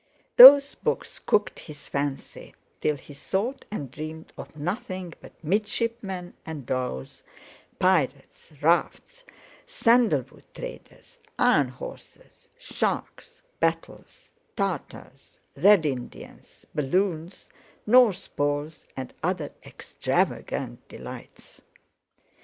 Those books cooked his fancy, till he thought and dreamed of nothing but midshipmen and dhows, pirates, rafts, sandal wood traders, iron horses, sharks, battles, Tartars, Red Indians, balloons, North Poles and other extravagant delights.